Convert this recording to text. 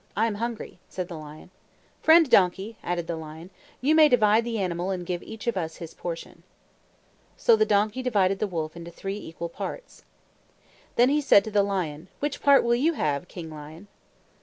I am hungry," said the lion. "Friend Donkey," added the lion, "you may divide the animal and give each of us his portion." So the donkey divided the wolf into three equal parts. Then he said to the lion, "Which part will you have, King Lion?"